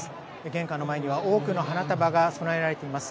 玄関の前には多くの花束が供えられています。